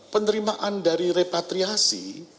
penerimaan dari repatriasi